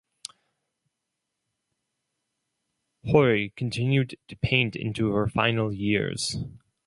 Hori continued to paint into her final years.